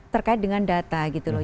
terkait dengan data gitu loh